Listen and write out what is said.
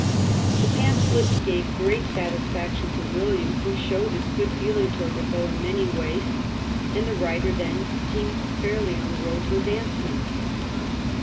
The pamphlet gave great satisfaction to William, who showed his good feeling towards Defoe in many ways, and the writer then seemed fairly on the road to ad vancement.